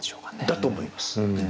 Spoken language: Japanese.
だと思います。